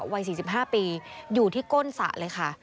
วัย๔๕ปีอยู่ที่ก้นสระเลยค่ะ